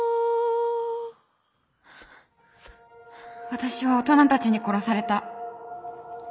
私は大人たちに殺された。